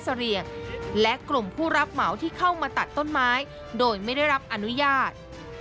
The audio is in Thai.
เสรียงและกลุ่มผู้รับเหมาที่เข้ามาตัดต้นไม้โดยไม่ได้รับอนุญาต